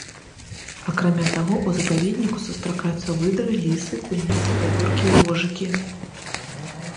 Акрамя таго, у запаведніку сустракаюцца выдры, лісы, куніцы, вавёркі і вожыкі.